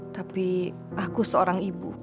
tapi aku seorang ibu